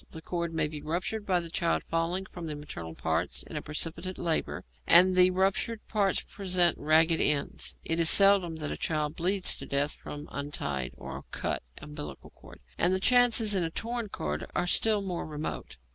The cord may be ruptured by the child falling from the maternal parts in a precipitate labour, and the ruptured parts present ragged ends. It is seldom that a child bleeds to death from an untied or cut umbilical cord, and the chances in a torn cord are still more remote.